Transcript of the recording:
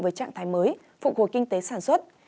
với trạng thái mới phục hồi kinh tế sản xuất